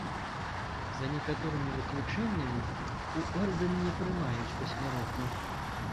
За некаторымі выключэннямі, у ордэн не прымаюць пасмяротна.